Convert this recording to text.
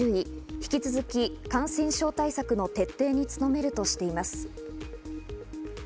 引き続き感染症対策の徹底に努めるとしています。